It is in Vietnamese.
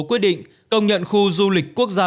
quyết định công nhận khu du lịch quốc gia